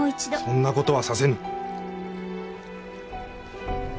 そんな事はさせぬ。